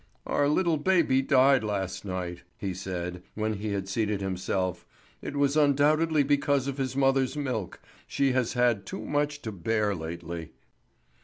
"Our little baby died last night," he said, when he had seated himself. "It was undoubtedly because of his mother's milk. She has had too much to bear lately."